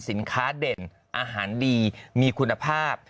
สินค้าเด่นอาหารดีมีคุณภาพ